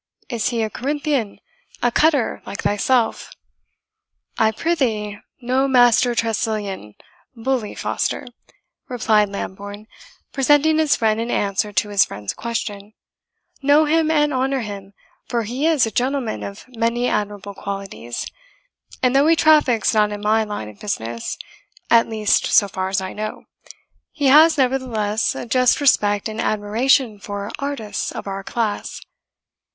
is he a Corinthian a cutter like thyself?" "I prithee, know Master Tressilian, bully Foster," replied Lambourne, presenting his friend in answer to his friend's question, "know him and honour him, for he is a gentleman of many admirable qualities; and though he traffics not in my line of business, at least so far as I know, he has, nevertheless, a just respect and admiration for artists of our class.